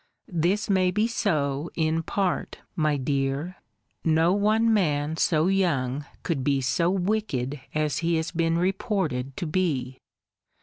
This may be so, in part, my dear. No one man so young could be so wicked as he has been reported to be.